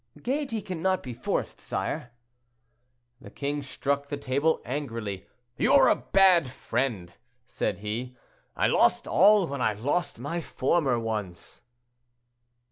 "Gayety cannot be forced, sire." The king struck the table angrily. "You are a bad friend," said he; "I lost all, when I lost my former ones."